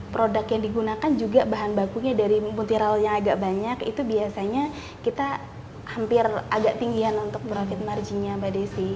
produk yang digunakan juga bahan bakunya dari mutiral yang agak banyak itu biasanya kita hampir agak tinggi untuk profit marginnya